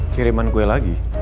kiriman kue lagi